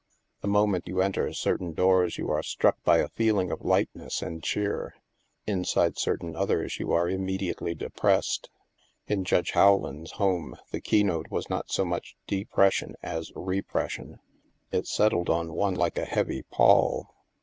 The moment you enter certain doors you are struck by a feeling of lightness and cheer; inside certain others you are immediately depressed. In Judge Rowland's home, the keynote was not so much compression as repres sion. It settled on one like a heavy pall.